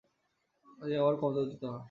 তিনি আবার ক্ষমতাচ্যুত হন।